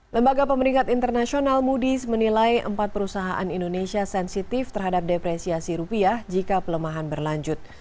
lembaga pemerintah internasional mudis menilai empat perusahaan indonesia sensitif terhadap depresiasi rupiah jika pelemahan berlanjut